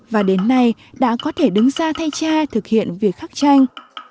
và đến nay đã có thể đứng ra thay cha thực hiện việc khắc tranh